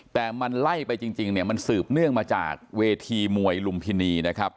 แต่มันไล่ไปจริงเนี่ยมันสืบเนื่องมาจากเวทีมวยลุมพินีนะครับ